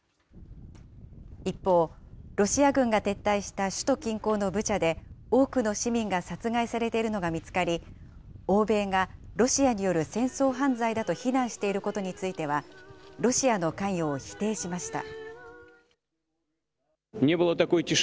一方、ロシア軍が撤退した首都近郊のブチャで、多くの市民が殺害されているのが見つかり、欧米がロシアによる戦争犯罪だと非難していることについては、ロシアの関与を否定しました。